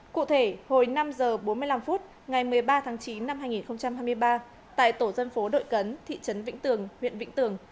cụ thể hồi năm h bốn mươi năm phút ngày một mươi ba tháng chín năm hai nghìn hai mươi ba tại tổ dân phố đội cấn thị trấn vĩnh tường huyện vĩnh tường